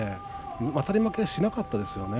あたり負けしなかったですね。